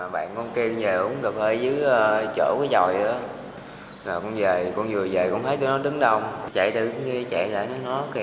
bạn con kêu về uống cà phê dưới chỗ cái tròi đó rồi con về con vừa về cũng thấy tụi nó đứng đông chạy từ cái kia chạy lại với nó kia